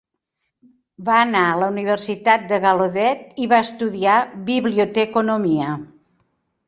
Va anar a la universitat de Gallaudet i va estudiar biblioteconomia.